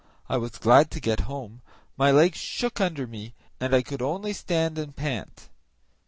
I was glad to get home; my legs shook under me, and I could only stand and pant.